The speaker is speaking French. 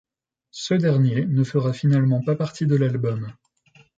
Ce dernier ne fera finalement pas partie de l'album.